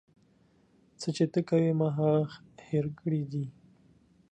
څه چې ته کوې ما هغه هير کړي دي.